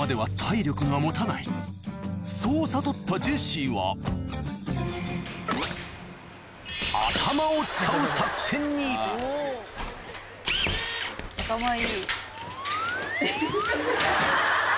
そう悟ったジェシーは頭いい。